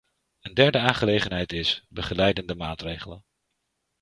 Een derde aangelegenheid is begeleidende maatregelen.